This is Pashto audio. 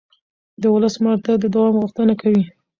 د ولس ملاتړ د دوام غوښتنه کوي